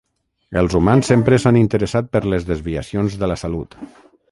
Els humans sempre s'han interessat per les desviacions de la salut.